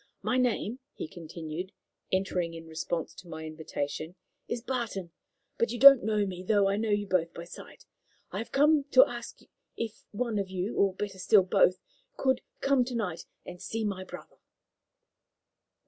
My name," he continued, entering in response to my invitation, "is Barton, but you don't know me, though I know you both by sight. I have come to ask you if one of you or, better still, both could come to night and see my brother."